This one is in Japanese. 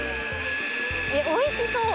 おいしそう。